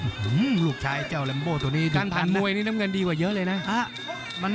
ลูกชายเจ้าแรมโบตัวนี้การผ่านมวยนี่น้ำเงินดีกว่าเยอะเลยนะ